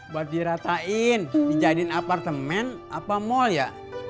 buat diratain dijadiin apartemen apa mall ya